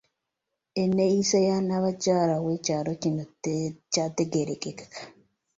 Enneeyisa ya Nnaabakyala w’ekyalo kino tekyategeerekeka.